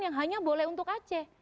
yang hanya boleh untuk aceh